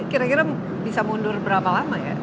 kira kira bisa mundur berapa lama ya